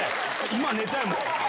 今寝たいもん。